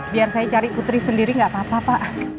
biar saya cari putri sendiri gak apa apa pak